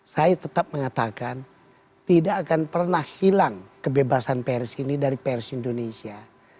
saya tetap mengatakan tidak akan pernah hilang kebebasan pers ini dari pers indonesia